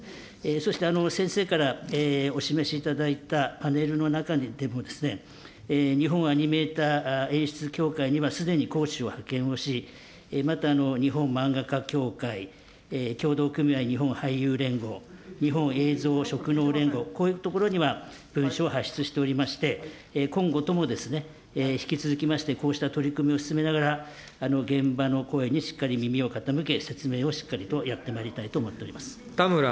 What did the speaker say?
そして先生からお示しいただいたパネルの中でも、日本アニメーター演出協会にはすでに講師を派遣をし、また、日本漫画家協会、協同組合日本俳優連合、日本映像職能連合、こういうところには文書を発出しておりまして、今後とも引き続きまして、こうした取り組みを進めながら、現場の声にしっかり耳を傾け、説明をしっかりとやってまいりたいと思っております。